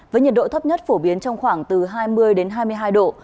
với nhiệt độ thấp nhất phổ biến trong khoảng từ hai mươi đến hai mươi hai độ